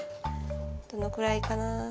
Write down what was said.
どのぐらいかな？